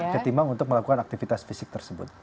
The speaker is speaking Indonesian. ketimbang untuk melakukan aktivitas fisik tersebut